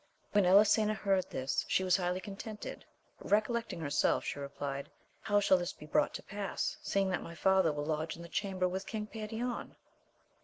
When Elisena heard this she was highly contented, but re collecting herself, she replied, How shall this be brought to pass, seeing that my father will lodge in the cham ber with King Perion